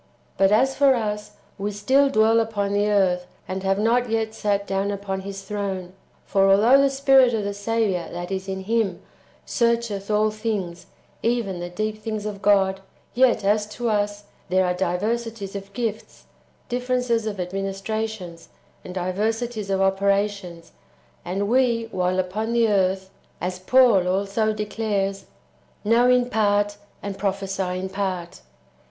"^ But as for us, we still dwell upon the earth, and have not yet sat down upon His throne. For although the Spirit of the Saviour that is in Him " searcheth all things, even the deep things of God,"^ yet as to us "there are diversities of gifts, differences of administrations, and diversities of operations ;"^ and we, while upon the earth, as \ Paul also declares, "know in part, and prophesy in part."